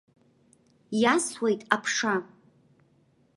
Иасуеит аԥша.